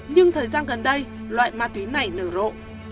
nhưng thời gian gần đây loại ma túy này nở rộ